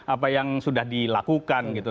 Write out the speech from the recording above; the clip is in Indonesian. apa yang sudah dilakukan gitu